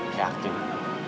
ya aku juga